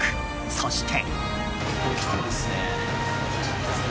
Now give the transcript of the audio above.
そして。